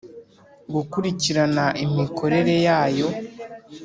gukurikirana imikorere yayo